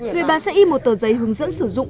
người bán sẽ in một tờ giấy hướng dẫn sử dụng